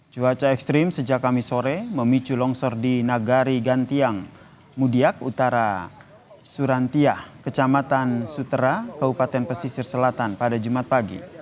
cuaca ekstrim sejak kamis sore memicu longsor di nagari gantiang mudiak utara surantiah kecamatan sutera kabupaten pesisir selatan pada jumat pagi